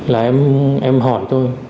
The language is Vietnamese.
là em hỏi thôi